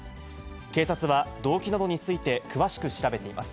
警察は、動機などについて詳しく調べています。